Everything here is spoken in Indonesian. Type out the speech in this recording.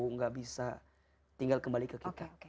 tidak bisa tinggal kembali ke kita